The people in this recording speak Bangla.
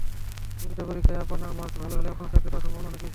লিখিত পরীক্ষায় আপনার মার্কস ভালো হলে আপনার চাকরি পাওয়ার সম্ভাবনা অনেক বেশি।